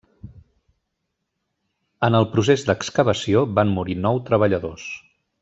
En el procés d'excavació, van morir nou treballadors.